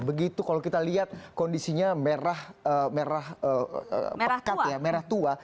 begitu kalau kita lihat kondisinya merah merah pekat ya merah tua